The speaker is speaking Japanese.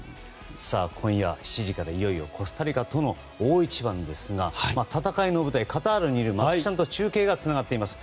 今夜７時からいよいよコスタリカとの大一番ですが戦いの舞台カタールにいる松木さんと中継がつながっています。